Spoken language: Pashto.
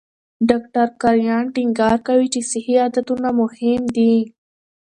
ډاکټر کرایان ټینګار کوي چې صحي عادتونه مهم دي.